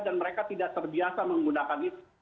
dan mereka tidak terbiasa menggunakan itu